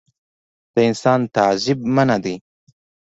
د انسان تعذیب منعه دی.